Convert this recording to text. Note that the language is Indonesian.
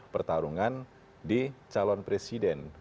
pertarungan di calon presiden